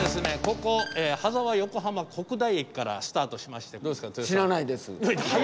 ここ羽沢横浜国大駅からスタートしましてどうですか？